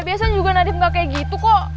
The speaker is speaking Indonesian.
biasanya juga nadif nggak kayak gitu kok